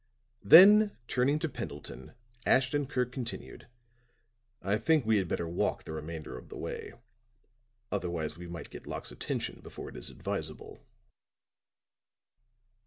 Then turning to Pendleton, Ashton Kirk continued: "I think we had better walk the remainder of the way; otherwise we might get Locke's attention before it is advisable."